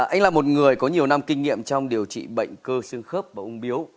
anh là một người có nhiều năm kinh nghiệm trong điều trị bệnh cơ xương khớp và ung biếu